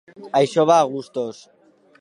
Això va a gustos.